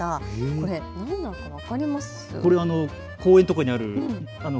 これ何か分かりますか。